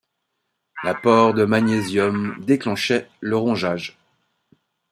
L'apport de magnésium déclenchait le rongeage.